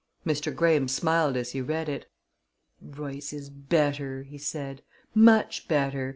Mr. Graham smiled as he read it. "Royce is better," he said; "much better.